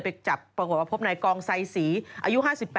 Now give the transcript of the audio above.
ไปจับประกอบประพบในกองไซศีอายุ๕๘